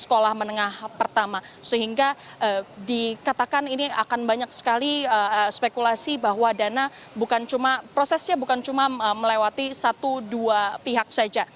sekolah menengah pertama sehingga dikatakan ini akan banyak sekali spekulasi bahwa dana bukan cuma prosesnya bukan cuma melewati satu dua pihak saja